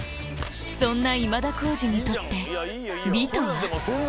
そんな今田耕司にとって美とは？